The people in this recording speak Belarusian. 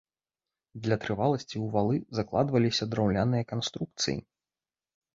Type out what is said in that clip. Для трываласці ў валы закладваліся драўляныя канструкцыі.